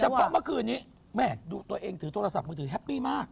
เพราะเมื่อคืนนี้แม่ดูตัวเองถือโทรศัพท์มือถือแฮปปี้มาก